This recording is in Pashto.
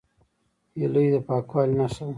هیلۍ د پاکوالي نښه ده